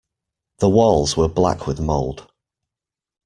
The walls were black with mould.